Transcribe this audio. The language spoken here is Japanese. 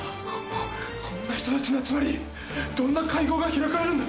こんな人たちの集まりどんな会合が開かれるんだ？